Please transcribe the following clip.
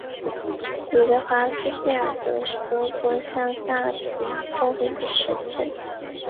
吕德尔斯费尔德是德国下萨克森州的一个市镇。